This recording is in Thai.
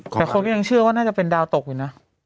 แต่คนก็ยังเชื่อว่าน่าจะเป็นดาวตกอยู่นะ